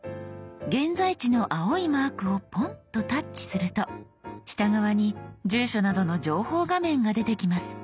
現在地の青いマークをポンとタッチすると下側に住所などの情報画面が出てきます。